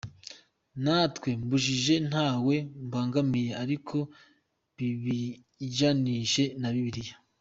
Ntawe mbujije ntawe mbangamiye ariko bibijyanisha na Bibiliya.